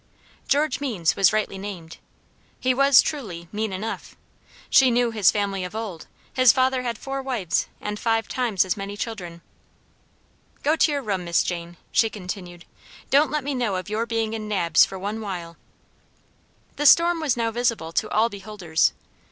George Means was rightly named; he was, truly, mean enough; she knew his family of old; his father had four wives, and five times as many children. "Go to your room, Miss Jane," she continued. "Don't let me know of your being in Nab's for one while." The storm was now visible to all beholders. Mr.